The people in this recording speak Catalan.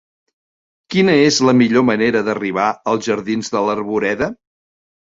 Quina és la millor manera d'arribar als jardins de l'Arboreda?